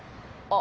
あ。